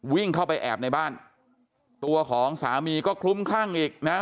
วิ่งเข้าไปแอบในบ้านตัวของสามีก็คลุ้มคลั่งอีกนะฮะ